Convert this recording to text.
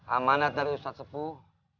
amanah dari ustadz sepuh